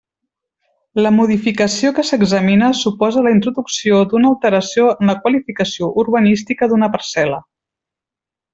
La modificació que s'examina suposa la introducció d'una alteració en la qualificació urbanística d'una parcel·la.